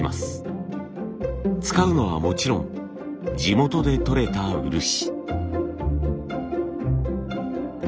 使うのはもちろん地元でとれた漆。